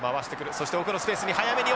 そして奥のスペースに早めに。